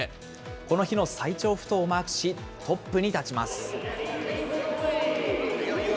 この日の最長不倒をマークし、トップに立ちます。